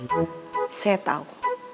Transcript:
ya saya tau